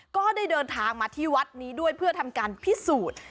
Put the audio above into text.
ก็ได้เดินทางมาที่วัดนี้ด้วยเพื่อทำการพิสูจน์